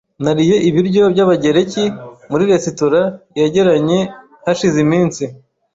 Nariye ibiryo by'Abagereki muri resitora yegeranye hashize iminsi .